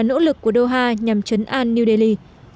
nỗ lực của doha nhằm chấn an new delhi